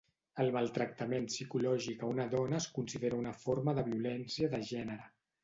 El maltractament psicològic a una dona es considera una forma de violència de gènere.